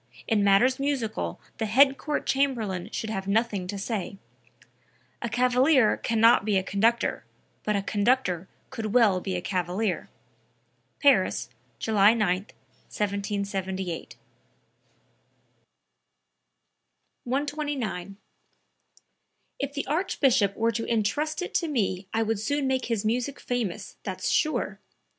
In matters musical the Head Court Chamberlain should have nothing to say; a cavalier can not be a conductor, but a conductor can well be a cavalier." (Paris, July 9, 1778.) 129. "If the Archbishop were to entrust it to me I would soon make his music famous, that's sure....